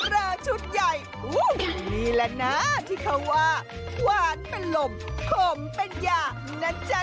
รอชุดใหญ่นี่แหละนะที่เขาว่าหวานเป็นลมขมเป็นยานะจ๊ะ